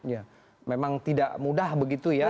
ya memang tidak mudah begitu ya